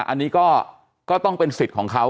อันนี้ก็ต้องเป็นสิทธิ์ของเขา